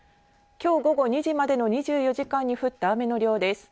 きょう午後２時までの２４時間に降った雨の量です。